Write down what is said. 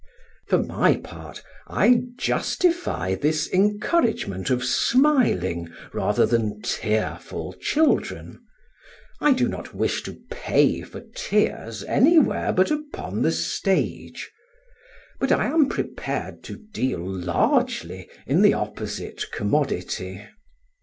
For my part, I justify this encouragement of smiling rather than tearful children; I do not wish to pay for tears anywhere but upon the stage; but I am prepared to deal largely in the opposite commodity.